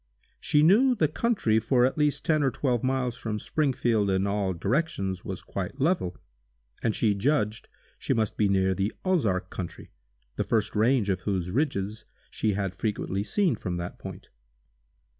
She knew the country for at least ten or twelve miles from Springfield in all directions was quite level, and she judged she must be near the Ozark country, the first range of whose ridges she had frequently seen from that point.